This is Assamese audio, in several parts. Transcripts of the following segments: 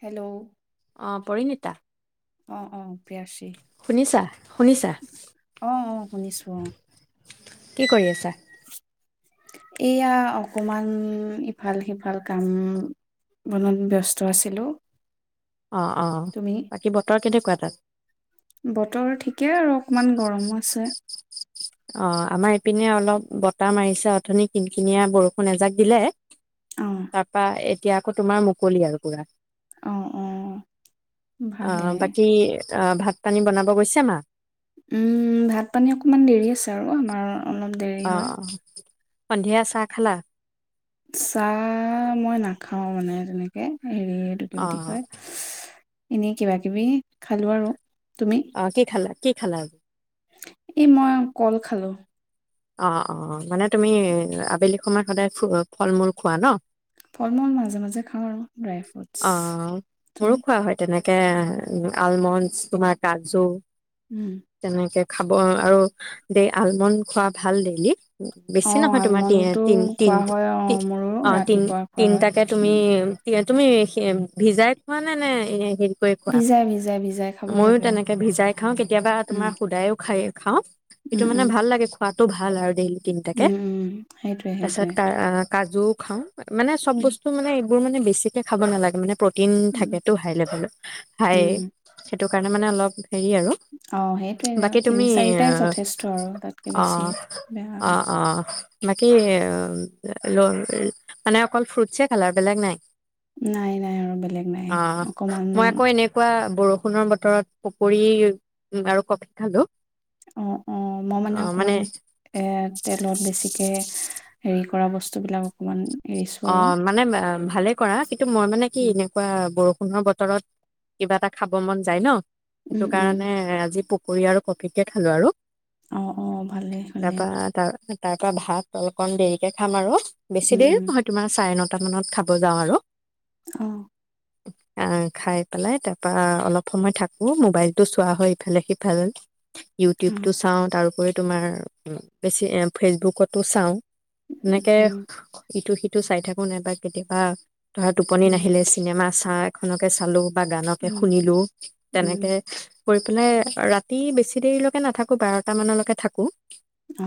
হেল্ল' অ, পৰিণীতা অ, অ পি আৰ চি শুনিছা শুনিছা অ, অ, শুনিছো। [unintelligible] কি কৰি আছা? এয়া অকমান- ইফাল সিফাল কাম বনত ব্যস্ত আছিলো। অ, অ, তুমি বাকী বতৰ কেনেকুৱা? তাক বতৰ ঠিকে আৰু অকমান গৰমো আছে। অ, আমাৰ ইপিনে অলপ বতাহ মাৰিছে অথনি কিন কিনিয়া বৰষুণ এজাক দিলে- অ তাৰপা এহ - এতিয়া আকৌ তোমাৰ মুকলি আৰু পুৰা। অ অ ভালে আহ বাকী তেওঁ, ভাত পানী বনাব গৈছে মা? উম ভাত পানী অকমান দেৰি আছে আৰু, আমাৰ অলপ দেৰি হয় অহ। সন্ধিয়া চাহ খালা? চাহ- মই নাখাও মানে তেনেকে। হেৰি এইটো কি অ বুলি কয়? এনেই কিবা কিবি, খালো আৰু। তুমি অ কি খালা? কি খালা আ এই মই কল খালো। অ অ অ, মানে তুমি আবেলি সময়ত সদায় ফু, ফল মূল খোৱা ন? ফল মূল মাজে মাজে খাওঁ আৰু। ড্ৰাই অ। ফ্ৰুটছ ত' মোৰো খোৱা হয় তেনেক কে আলমণ্ডছ, তোমাৰ কাজু। উম। তেনেকে- খাব আৰু দেই আলমণ্ড খোৱা ভাল ডেইলী। বেছি অ', নহয়, তোমাৰ আলমণ্ডটো তি-তি-তি খোৱা হয় অ', মোৰো অ তিন ৰাতিপুৱা খোৱা হয়। তিনটাকে তুমি উম। তুমি ভিজাই খোৱা নে নে এনেই হেৰি খোৱা ভিজাই ভিজাই ভিজাই খাব মইও লাগে। তেনেকে ভিজাই খাওঁ, কেতিয়াবা উম, তোমাৰ খোদাইও খায় খাওঁ সেইটো উম, মানে উম। ভাল লাগে। পাতো ভাল আৰু ডেইলি তিনিটাকে, উম, উম, সেইটোৱে সেইটোৱে। তাৰপছত কাজুও খাওঁ। মানে চব উম, বস্তু মানে বোৰ মানে বেছিকে খাব নালাগে মানে। প্ৰটিন উম। থাকেটো হাই লেভেলত। হাই উম, সেইটো কাৰণে মানে অলপ হেৰি আৰু অ', সেইটোৱে আৰু বাকী তিনি তুমি, চাৰিটাই যথেষ্ট আৰু তাতকে অ, বেছি বেয়া আৰু। অ-অ বাকী ই ই ই ই ই মানে অকল ফ্ৰুটচ এ খালা। বেলেগ নাই? নাই নাই আৰু বেলেগ নাই। অ', অকমান মই আকৌ এনেকুৱা বৰষুণৰ বতৰত পকৰী আৰু কফি খালো। অ অ মই মানে অকমান এ তেলত বেছিকে হেৰি কৰা বস্তুবিলাক অকণমান অ মানে ভালে কৰা। কিন্তু মই মানে কি উম, এনেকুৱা বৰষুণ বষুণৰ বতৰত কিবা এটা খাব মন যায় ন। সেইটো উম, উম। কাৰণে আজি প কৰি আৰু কফিকে খালো আৰু। অ অ ভালেই ভালে। তাৰপা তাৰ পৰা ভাত অকণ দেৰিকে খাম আৰু। বেছি উম, দেৰি উম। আমাৰ চাৰে নটা মানত খাব যাওঁ আৰু। অ। আ খাই পেলাই তাৰপা অলপ সময় থাকো। ম'বাইলটো চোৱা হয় ইফালে সিফাল অ', উম, ইউটিউবটো চাওঁ তাৰোপৰি তোমাৰ বেছি ফেচবুকতো চাওঁ। উম, এনেকে ইটো সিটো চাই থাকো। নাইবা কেতিয়াবা ধৰা টোপনি উম, নাহিলে চিনেমা আছ চাহ এখনকে চালো। বা গানকে উম, শুনিলো। উম, তেনেকে কৰি পেলাই ৰাতি বেছি দেৰিলৈকে নাথাকোঁ বাৰটামানলৈকে থাকোঁ।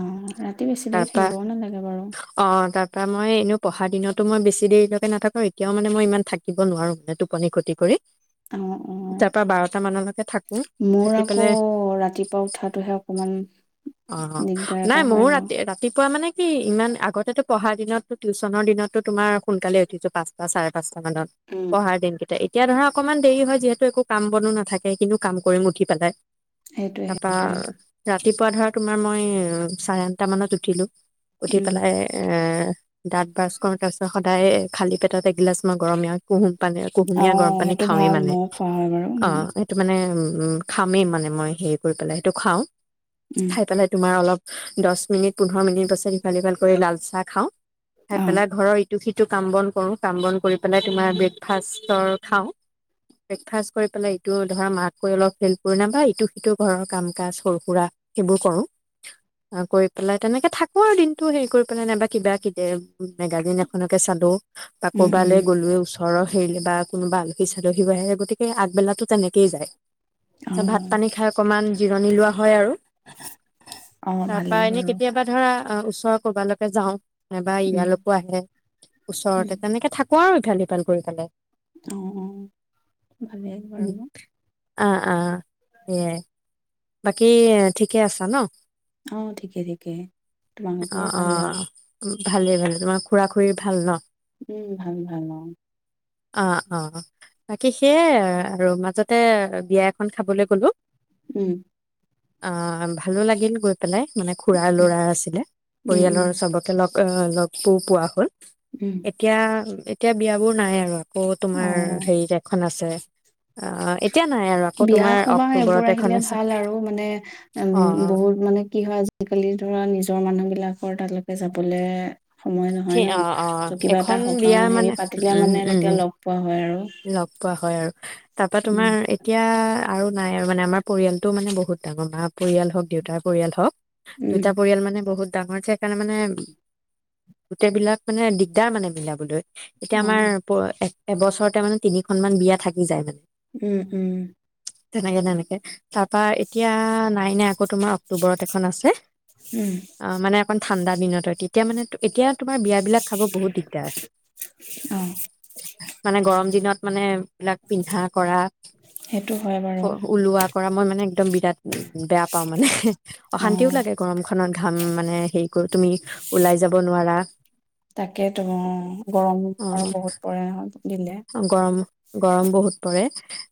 অ ৰাতি বেছি দেৰি থাকিবও নালাগে বাৰু। অ তাৰপা মই এনেও পঢ়া দিনতো মই বেছি দেৰিলৈকে নাথাকোঁ এতিয়াও মানে মই ইমান থাকিব নোৱাৰোঁ মানে টোপনি ক্ষতি কৰি। অ', অ', তাৰ পৰা বাৰটা মানলৈকে থাকো মোৰ থাকি আকৌ পেলাই, ৰাতিপুৱা উঠাটোহে অকমান অ দিগদাৰ নাই এটা হয় ময়ো আৰু। ৰাতি ৰাতিপুৱা মানে এ, ইমান আগতেটো পঢ়া দিনত টিউশনৰ দিনতো তোমাৰ সোনকালে উঠিছো পাঁচটা, চাৰে পাঁচটা। [unintelligible] উম, পঢ়াৰ দিন কেত এতিয়া ধৰা অকনমান দেৰি হয়। যিহেতু একো কাম বনো নাথাকে। কিনো কাম কৰিম উঠি পেলাই। সেইটোৱে তাপা সেইটোৱে জাত ৰাতিপুৱা ধৰা তোমাৰ মই চাৰে আঠটা মানত উঠিলোঁ। উঠি উম, পেলাই এ [unintelligible] দাঁত ব্ৰাছ কৰোঁ তাৰপিছত সদায় খালী পেটত এগিলাচ মই গৰমীয়া কুহুম। পালে কুহুমীয়া গৰম অ', পানী সেইটো খাওঁৱেই ভাল মানে। ময়ো খোৱা হয় বাৰু অ মোৰ। সেইটো মানে উম। উম, খামেই মানে মই হেৰি কৰি পেলাই সেইটো খাওঁ। উম, খাই পেলাই তোমাৰ অলপ দশ মিনিট পোন্ধৰ মিনিট পাছত ইফাল সিফাল কৰি লাল চাহ খাওঁ। খাই অ', পেলাই ঘৰৰ ইত ইটো সিটো কাম বন কৰোঁ কাম বন কৰি পেলাই তোমাৰ ব্ৰেকফাষ্টৰ খাওঁ। ব্ৰেকফাষ্ট কৰি পেলাই ইটো ধৰা মাক গৈ অলপ হেল্প কৰি বা ইটো সিটো ঘৰৰ কাম কাজ সৰু সুৰা সেইবোৰ কৰোঁ। কৰি পেলাই তেনেকে থাকো আৰু দিনটো হেৰি কৰি পেলাই নাইবা কিবা কিবি মেগ মেগাজিন এখনকে চালোঁ। বা উম, উম, কৰবালৈ গ'লোঁয়ে ওচৰত। হেৰিবা কোনোবা আলহী চালহীও আহে গতিকে আগবেলাতো তেনেকেইে যায়। ভাত অ', পানী খাই অকমান জিৰণি লোৱা হয় আৰু। অ', তাৰ পৰা ভালেই এনে বাৰু কেতিয়াবা ধৰা অ' ওচৰৰ কৰবালৈকে যাওঁ। নাইবা উম, ইয়ালকো আহে উম, ওচৰতে তেনেকে থাক পোৱা আৰু ইফাল সিফাল কৰি ফালে। অ অ অ ভালেই বাৰু ন। অ'অ' সেয়াই। বাকী ঠিকে আছা ন। অ' ঠিকে ঠিকে তোমালোকৰ ভালে আৰু। ভালে ভালে তোমাৰ খুৰা খুৰীৰ ভাল ন। উম ভাল ভাল অ অ অ বাকী সেয়াই আৰু মাজতে বিয়া এখন খাবলৈ গলো উম অ ভালো লাগিল গৈ পেলাই মানে খুৰাৰ উম, ল'ৰা আছিলে উম, উম, পৰিয়ালৰ চবকে লগ অ লগ পোৰ পোৱা হ'ল উম, এতিয়া এতিয়া বিয়য়া বোৰ নাই আৰু আকৌ তোমাৰ অ'। হেৰিত এখন আছে আহ এতিয়া নাই আৰু আকৌ তোমাৰ অক্টোবৰত এখন লে আছে। ভাল আৰু মানে উম অ', বহুত মানে কি হয় আজিকালি ধৰা নিজৰ মানুহ বিলাকৰ তালৈে তে যাবলে সময় ঠি নহয় ন অ', ত অ', কিবা এটা এখন সকাম বিয়া হেৰি মানে পাতিলে উম, মানে উম, তেতিয়া উম, লগ পোৱা হয় আৰু লগ পোৱা হয় আৰু তাৰপা উম তোমাৰ এতিয়া আৰু নাই আৰু মানে আমাৰ পৰিয়ালটোও মানে বহুত ডাঙৰ মা পৰিয়াল হওক দেউতাৰ পৰিয়াল হওক উম দুইটা পৰিয়াল মানে বহুত ডাঙৰ যে সেইকাৰণে মানে গোটেই বিলাক মানে দিগদাৰ মানে মিলাবলৈ এতিয়া অ আমাৰ প এবছৰ ৰত তিনিখন মান বিয়া থাকি যায় মানে উম উম তেনেকে নে এনেকে তাৰাপা এতিয়া নাই নাই তোমাৰ অক্টোবৰত এখন আছে উম [inaudible] অ মানে অকন ঠাণ্ডা দিনত হয় তেতিয়া মানে তো এতিয়া তোমাৰ বিয়াবিলাক খাব বহুত দিগদাৰ অ [unintelligible] মানে [unintelligible] দিনত মানে এই বিলাক পিন্ধা কৰা সেইটো হয় বাৰু ওলোৱা কৰা মই মানে একদম বিৰাট বেয়া পাওঁ মানে অ অশান্তিও লাগে গৰম খ খনত ঘাম মানে হেৰি কতো তুমি ওলাই যাব নোৱাৰা তাকে তোমাৰ গৰমো তোমাৰ বহুত পৰে নহয় দিলে অ গৰম গৰম বহুত পৰে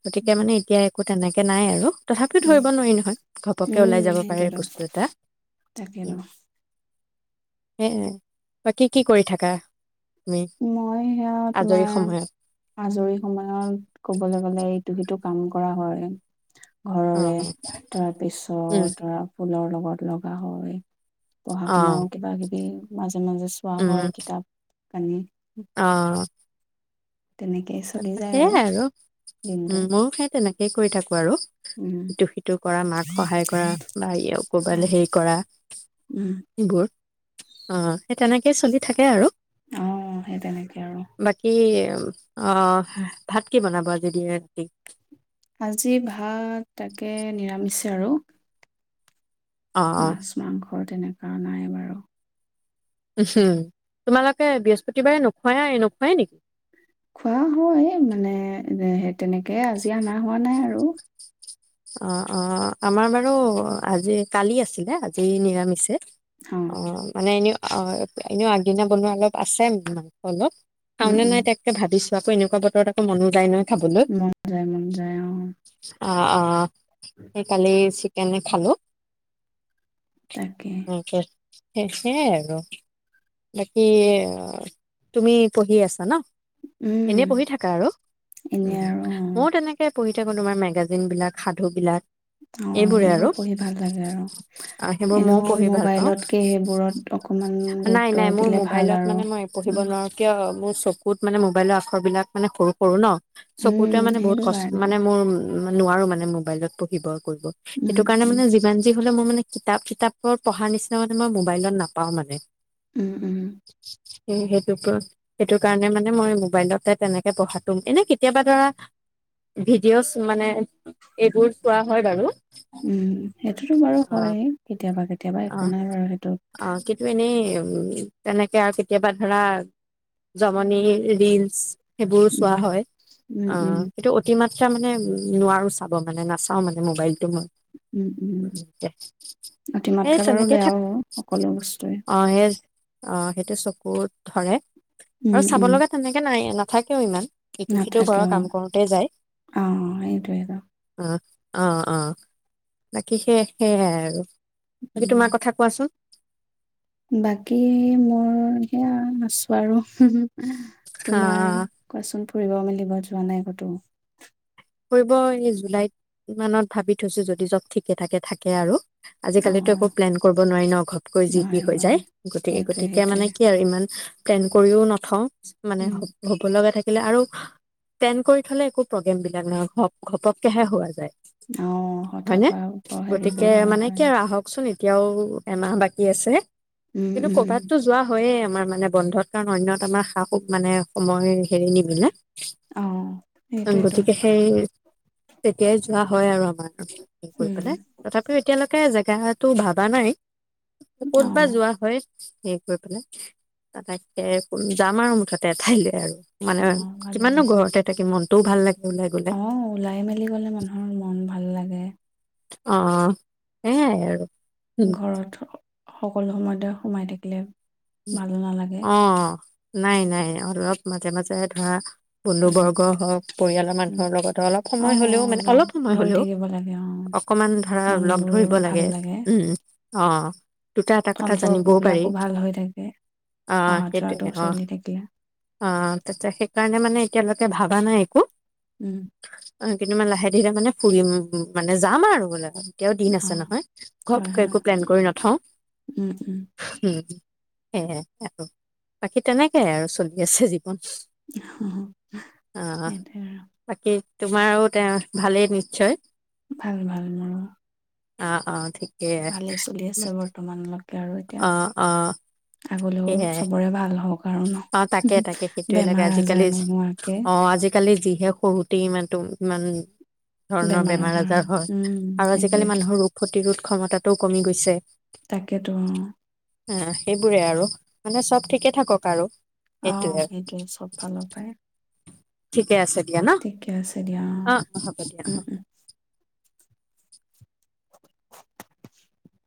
গতিকে উম মানে এতিয়া একো তেনেকৈ নাই আৰু তথাপিও উম ধৰিব নোৱাৰি নহয়, ঘপককে উম ওলাই যাব পাৰে সেইটোৱেতো বস্তু এটা তাকেতো এ, বাকী কি কৰি থাকা তুমি মই সেয়া আজৰি তোমাৰ সময়ত আজৰি সময়ত, কবলৈ গলে এইটো সিটো কাম কৰা হয় ঘৰৰে, অ' উম তাৰপিছত ধৰা ফুলৰ লগত লগত লগা হয় পঢ়া অ' শুনাও কিবা কিবি, মাজে মাজে চোৱা উম হয় কিতাপ [unintelligible] অ তেনেকেই চলি তাৰপা যায় সেয়াই আৰু, দিনটো উম ময়ো সেই তেনেকে সেই কৰি থাকোঁ আৰু উম ইটো সিটো কৰা মাক সহায় কৰা বা ই কবালৈ হেৰি কৰা, উম এইবোৰ অ সেই তেনেকে সেই চলি থাকে আৰু অ সেই তেনেকে আৰু উম [inaudible] অ, ভাত কি বনাব আজি [unintelligible] কি আজি ভাত, তাকে নিৰামিছে আৰু অ অ মাছ মাংসৰ তেনে আনা নাই বাৰু উম হম তোমালোকে বৃহস্পতিবাৰে নোখোৱায়াই নোখোৱাই নেকি খোৱা হয় মানে সেই তেনেকে আজি আনা হোৱা নাই আৰু অ, অ আমাৰ বাৰু আজি কালি আছিলে আজি নিৰামিষে অ মানে এনে অ এনেও আগদিনা বনোৱা অলপ আছে মাংস, অলপ উম খাওনে উম নাই তাকে ভাবিছো আকৌ এনেকুৱা বতৰত আকৌ মনো যায় নহয় খাবলৈ মন যায়, মন যায় অ অ অ সেই কালি চিক কেনে খালো তাকে- তাৰপিছত সেয়াই আৰু বাকী তুমি পঢ়ি আছা ন? উম এনে পঢ়ি থাকা আৰু উ এনে আৰু অ -মইও তেনেকে- পঢি থাকো তোমাৰ মেগাজিন বিলাক সাধু বিলাক অ এইবোৰে আৰু সেইবোৰ পঢ়ি ভাল লাগে আৰু আ, সেইবোৰ ময়ও এনেও পঢ়ি ভাল পাওঁ মোবাইলতকে সেইবোৰত অকমান- নাই গুৰুত্ব নাই মোৰ দিলে ভাল মোবাইলত আৰু মানে মই পঢ়িব উম নোৱাৰো কিয় মোৰ- চকুত মানে মোবাইলৰ আখৰ বিলাক মানে সৰু সৰু ন- চকুতয়ে উম মানে সেইটো বহুত কষ্ট কাৰণে উম মানে মোৰ- উ নোৱাৰো মানে মোবাইলত পঢ়িব। সেইটো কাৰণে উম মানে যিমান যিমান যি - লে মই মানে কিতাপ চিতাপৰ পঢ়া নিচিনা মানে মই মোবাইলত নাপাও মানে। উম উম- স সেইটো সেইটো কাৰণে মানে মই মোবাইলতে তেনেকে পঢ়াাটো এনে কেতিয়াবা ধৰা ভিডিঅ'ছ মানে এইবোৰ চোৱা হয় বাৰু উম সেইটোতো বাৰু অ হয় কেতিয়াবা কেতিয়াবা একো নাই বাৰু সেইটো উ তেনেকে আৰু কেতিয়াবা ধৰা জমনিৰ ৰিলচ- সেইবোৰ উম চোৱা হয়- উম আহ উম কিন্তু অতিমাত্ এয়া মানে নোৱাৰো চাব মানে নাচাও মানে মোবাইলটো মই। উম উম সেই অতিমাত্ৰা বাৰু তেনেকে থাকো বেয়াও সকলো বস্তুৱে অ সেই অ সেইটো চকুত ধৰে উম আৰু চাব উম লগা তেনেকে নাই এল থাকেও ইমান ইটো সিটো নাথাকে ঘৰৰ অ কাম কৰোতে যায় অ সেইটোৱে ক - আহ অ অ বাকি সেয় সেয়াই আৰু বাকী তোমাৰ কথা কোৱাচোন বাকী- মোৰ- সেয়া- আছো আৰু তোমাৰ আহ কোৱাচোন ফুৰিব মেলিব যোৱা নাই কতো? ফুৰিব এই জুলাইত মানত ভাবি থৈছো যদি চব ঠিকে থাকে থাকে আৰু আজি কালিতো অ একো প্লেন কৰিব নোৱাৰি ন ঘপকৈ যি কি নোৱাৰি হৈ যায় নোৱাৰি গতিে সেইটোৱে গতিকে মানে সেইটোৱে কি আৰু ইমান- প্লেন কৰিও নাথওঁ মানে উম হ হ'ব লগা থাকে [unintelligible] আৰু টেন কৰি থ'লে একো প্ৰগ্ৰেমে িলাক ঘ ঘপককেহে হোৱা যায় অহ হঠাৎ হয়নে হয় ওপৰ গতিকে হেৰিবোৰ ভাল মানে হয়। কি আৰু আহকচোন এতিয়াও এমাহ বাকী আছে। উম কিন্তু উম কৰ'বাততো যোৱা হয়য়ে আম আমাৰ মানে বন্ধত কাৰণ অন্যত আমাৰ শাহুক মানে সময় অ সেইটোয়েতো [inaudible] সেই তেতিয়াই যোৱা হয় আৰু আমা কৰি উম পেলায় তথাপিও এতিয়ালৈকে জেগা তেতিয়া হ'লে তু ভাবা নাই। ক'ত অ বা যোৱা হয়। হে কৰি পেলাই তাকে কোন যাম আৰু মুঠতে এঠাইলৈ আৰু মানে অ কিমানো ঘৰতে থাকি মন তোও ভাল লাগ অহ ওলাই মেলি গলে মানুহৰ মন ভাল লাগে। অ সেয়াই আৰু। ঘৰত সকলো সময়তে সোমাই থাকিলে ভালো নালাগে অ। নাই নাই অলপ মাজে মাজে ধৰা উম বন্ধুবৰ্গ হওক, পৰিয়ালৰ উম মানুহৰ লগতো অলপ অ সময় অ হলেও মানে লগ অলপ সময় ধৰি হলেও থাকিব লাগে অ অকমান ধৰা লগ মনবোৰ ধৰিব ভাল লাগে। উম। অ। দুটা এটা কথা সম্পৰ্ক জানিবও পাৰি। বিলাকো ভাল হৈ থাকে অ অহা যোৱাটো সেইটোয়ে। অ চলি থাকিলে অ তেতিয়া, সেইকাৰণে মানে তেঁওলোকে ভাবা নাই একো। উম। অ কিন্তু মানে লাহে ধীৰে মানে ফুৰিম, মানে যাম আৰু বোলে। এতিয়াও দিন অ আছে নহয় ঘৰত হয় হয় একো প্লেন কৰি নথও। উম সেয়াই আৰু বাকী তেনেকে আৰু চলি আছে যি। উম অহ, সেইটোৱে আৰু তাকে। তোমাৰ আৰু তেওঁ ভালেই নিশ্চয়? ভাল ভাল মোৰো। অ অ ঠিক। ভালেই চলি আছে। বৰ্তমানলৈকে আৰু এতিয়া। অ অ আগলৈও সেয়াই চবৰে ভাল হওক আৰু ন অ তাকে তাকে সেইটোয়ে লাগে। বেমাৰ আজাৰ আজিকালি, নোহোৱাকে অ আজিকালি যিহে সৰুতেই ইমানটো ইমান ধৰণৰ বেমাৰ আজাৰ হয় আৰু আজিকালি মানুহৰ ৰোগ প্ৰতিৰোধ ক্ষমতাটোও কমি গৈছে তাকেতো অ' অ' সেইবোৰে আৰু মানে চব ঠিকে থাকক আৰু অ' সেইটোয়ে সেইটোৱে চব ফালৰ পাই ঠিকে আছে দিয়া ন', অ', অ', হ'ব দিয়া উম অ' উম [inaudible]